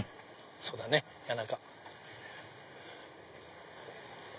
そうだね谷中。